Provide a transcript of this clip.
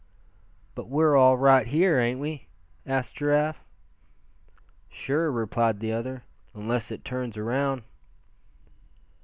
"But we're all right here, ain't we?" asked Giraffe. "Sure," replied the other, "unless it turns around."